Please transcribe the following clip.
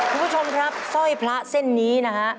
คุณผู้ชมครับสร้อยพระเส้นนี้นะฮะ